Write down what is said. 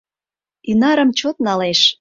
Ӱнарым чот налеш.